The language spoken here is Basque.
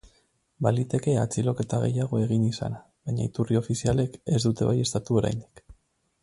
Baliteke atxiloketa gehiago egin izana, baina iturri ofizialek ez dute baieztatu oraindik.